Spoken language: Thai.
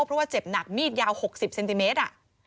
เพราะว่าเจ็บหนักมีดยาว๖๐เซนติเมตร